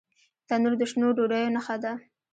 تنور د شنو ډوډیو نښه ده